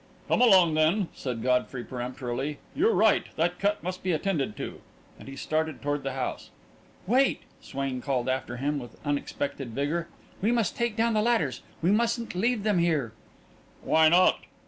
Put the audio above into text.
"Come along, then," said Godfrey peremptorily. "You're right that cut must be attended to," and he started toward the house. "Wait!" Swain called after him, with unexpected vigour. "We must take down the ladders. We mustn't leave them here." "Why not?"